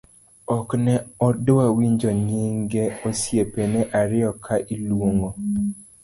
ok ne odwa winjo nyinge osiepene ariyo ka iluongo